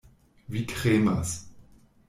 Vi tremas.